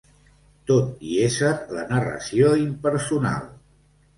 Tot i ésser la narració impersonal